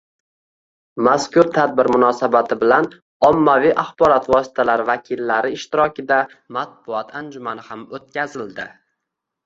Mazkur tadbir munosabati bilan ommaviy axborot vositalari vakillari ishtirokida matbuot anjumani ham o‘tkazildi